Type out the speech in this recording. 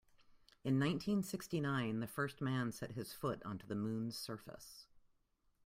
In nineteen-sixty-nine the first man set his foot onto the moon's surface.